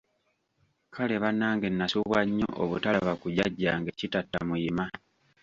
Kale bannange nasubwa nnyo obutalaba ku Jjajjange Kitattamuyima!